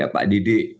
ya pak didi